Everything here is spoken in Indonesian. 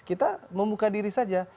kita membuka diri saja